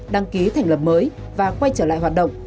đăng ký thành lập mới và quay trở lại hoạt động